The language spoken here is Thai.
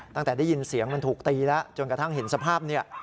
ตั้งแต่ได้ยินเสียงมันถูกตีแล้วจนกระทั่งเห็นสภาพเนี่ย